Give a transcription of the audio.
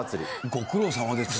ご苦労さまです。